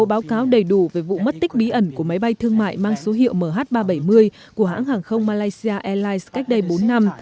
báo cáo đầy đủ về vụ mất tích bí ẩn của máy bay thương mại mang số hiệu mh ba trăm bảy mươi của hãng hàng không malaysia airlines cách đây bốn năm